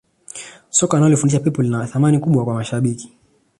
soka analolifundisha pep lina thamani kubwa kwa mashabiki